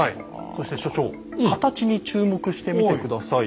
そして所長形に注目して見て下さい。